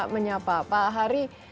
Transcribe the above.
menyapa pak hari